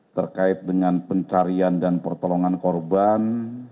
terkait dengan pencarian dan pertolongan korban